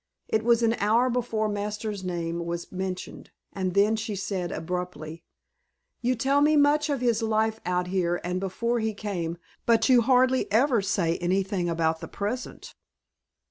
It was an hour before Masters' name was mentioned, and then she said abruptly: "You tell me much of his life out here and before he came, but you hardly ever say anything about the present."